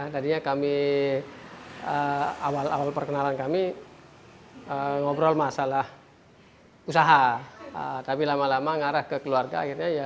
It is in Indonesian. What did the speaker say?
tadinya awal perkenalan kami ngobrol masalah usaha tapi lama lama ngarah ke keluarga